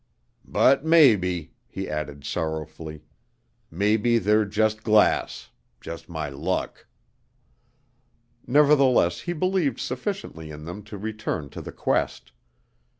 "But maybe," he added sorrowfully, "maybe they're jus' glass. Jus' my luck." Nevertheless he believed sufficiently in them to return to the quest.